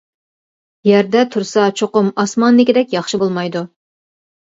يەردە تۇرسا چوقۇم ئاسماندىكىدەك ياخشى بولمايدۇ!